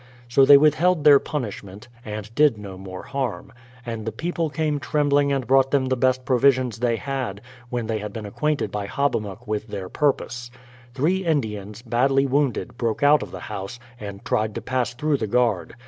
So they withheld their punishment, and did no more harm ; and the people came trembling and brought them the best provisions they had, when they had been acquainted by Hobbamok with their purpose. Three Indians, badly wounded, broke out of the house, and tried to pass through the guard.